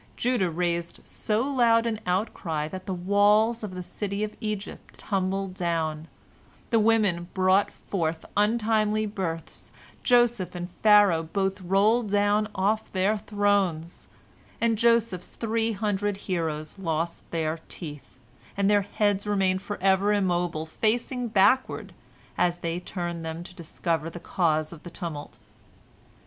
Judah raised so loud an outcry that the walls of the city of Egypt tumbled down, the women brought forth untimely births, Joseph and Pharaoh both rolled down off their thrones, and Joseph's three hundred heroes lost their teeth, and their heads remained forever immobile, facing backward, as they had turned them to discover the cause of the tumult.